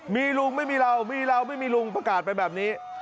มีลุงไม่มีเรามีเราไม่มีลุงประกาศไปแบบนี้